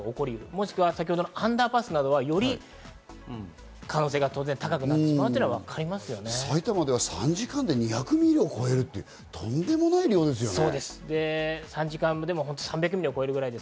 もしくはアンダーパスなどはより可能性が当然高くなるというのが埼玉では３時間で２００ミリを超えるというとんでもない量ですよね。